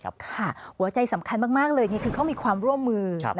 หัวใจสำคัญมากเลยคือเขามีความร่วมมือ